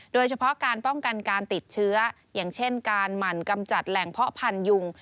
โดยเฉพาะการป้องกันการติดเชื้ออย่างเช่นการหมั่นกำจัดแหล่งเพาะพันธุยุง